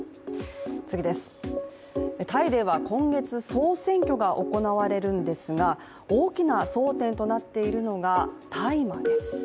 タイでは今月、総選挙が行われるんですが大きな争点となっているのが大麻です。